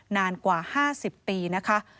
นานกว่า๕๐ปีนะคะ